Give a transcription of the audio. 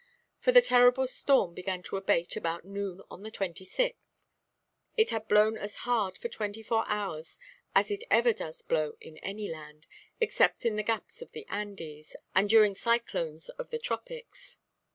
For that terrible storm began to abate about noon on the 26th. It had blown as hard for twenty–four hours as it ever does blow in any land, except in the gaps of the Andes and during cyclones of the tropics.